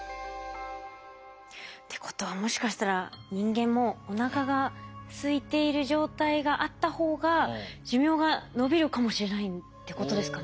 ってことはもしかしたら人間もおなかがすいている状態があった方が寿命が延びるかもしれないってことですかね。